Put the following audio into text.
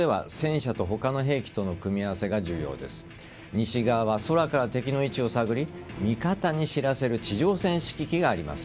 西側は空から敵の位置を探り味方に知らせる地上戦指揮機があります。